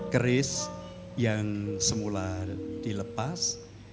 keris yang semula dilepas